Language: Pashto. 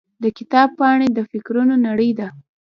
د کتاب پاڼې د فکرونو نړۍ ده.